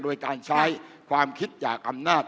โดยการใช้ความคิดจากอำนาจ